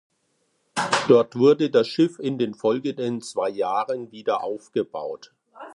Dort wurde das Schiff in den folgenden zwei Jahren wieder aufgebaut.